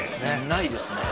ないですね。